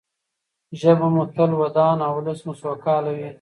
ژبه مو تل ودان او ولس مو سوکاله وي.